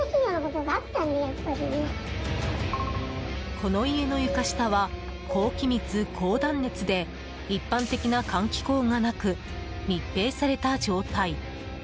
この家の床下は高気密・高断熱で一般的な換気口がなく密閉された状態。